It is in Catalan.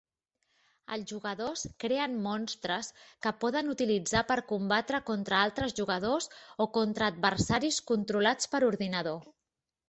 Els jugadors creen monstres que poden utilitzar per combatre contra altres jugadors o contra adversaris controlats per ordinador.